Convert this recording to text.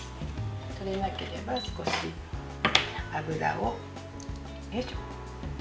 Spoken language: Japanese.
取れなければ少し、油を。